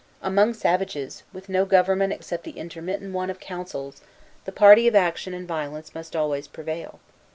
Among savages, with no government except the intermittent one of councils, the party of action and violence must always prevail.